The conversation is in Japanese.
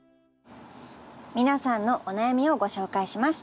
皆さんのお悩みをご紹介します。